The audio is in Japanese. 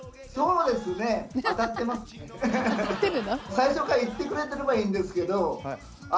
最初から言ってくれてればいいんですけどあ